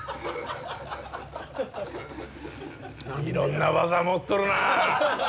いろんな技持っとるな。